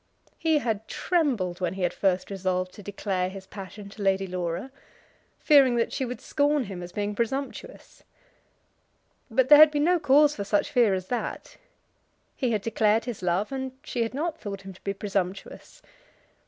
He had trembled when he had first resolved to declare his passion to Lady Laura, fearing that she would scorn him as being presumptuous. But there had been no cause for such fear as that. He had declared his love, and she had not thought him to be presumptuous.